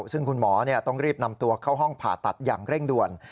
ซึ่งคุณหมอต้องรีบนำตัวเข้าห้องผ่าตัดอย่างเร่งด่วน